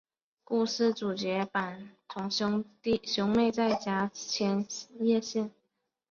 故事主角高坂兄妹的家是在千叶县。